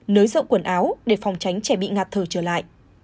nới rộng quần áo để phòng tránh trẻ bị ngạt thở trở lại